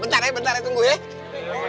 bentar ya bentar ya tunggu ya